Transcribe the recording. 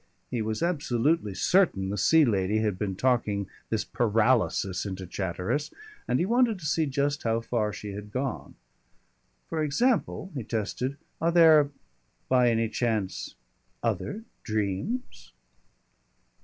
He was absolutely certain the Sea Lady had been talking this paralysis into Chatteris, and he wanted to see just how far she had gone. "For example," he tested, "are there by any chance other dreams?"